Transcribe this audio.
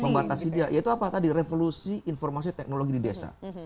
membatasi dia yaitu apa tadi revolusi informasi teknologi di desa